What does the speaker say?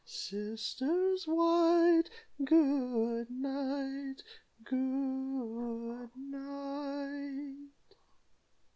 Sisters white, Good night! Good night!"